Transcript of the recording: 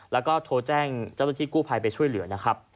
แล้วก็โทรแจ้งเจ้าหน้าที่กู้ภัยไปช่วยเหลือนะครับ